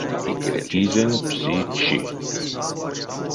Кизэнь пси чи.